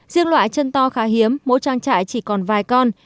riêng loại chân to khá hiếm mỗi trang trại chỉ còn vài con